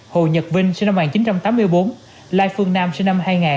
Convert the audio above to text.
hồ nhật vinh sinh năm một nghìn chín trăm tám mươi bốn lai phương nam sinh năm hai nghìn